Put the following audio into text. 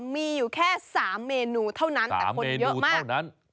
มีอยู่แค่๓เมนูเท่านั้นแต่คนเยอะมากนั้น